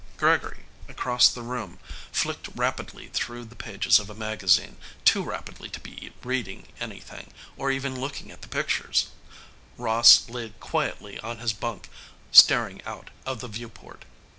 Gregory, across the room, flicked rapidly through the pages of a magazine, too rapidly to be reading anything, or even looking at the pictures. Ross lay quietly on his bunk, staring out of the viewport.